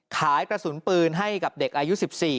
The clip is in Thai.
กระสุนปืนให้กับเด็กอายุ๑๔